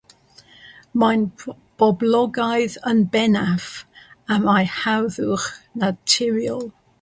Mae'n boblogaidd yn bennaf am ei harddwch naturiol.